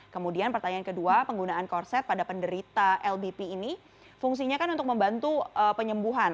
kemudian pertanyaan kedua penggunaan korset pada penderita lbp ini fungsinya kan untuk membantu penyembuhan